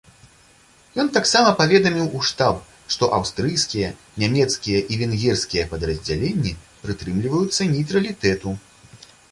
Ён таксама паведаміў у штаб, што аўстрыйскія, нямецкія і венгерскія падраздзяленні прытрымліваюцца нейтралітэту.